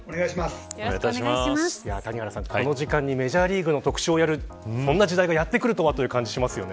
谷原さん、この時間にメジャーリーグの特集をやるこんな時代がやってくるとはという感じがしますね。